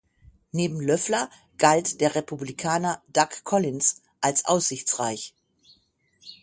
Neben Loeffler galt der Republikaner Doug Collins als aussichtsreich.